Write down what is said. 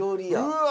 うわ！